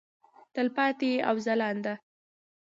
تلپاتې او ځلانده.